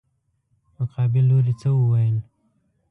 مقابل لوري څه وويل.